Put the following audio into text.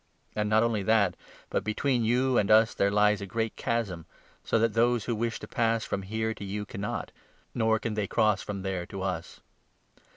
And not 26 only that, but between you and us there lies a great chasm, so that those who wish to pass from here to you cannot, nor can they cross from there to us.'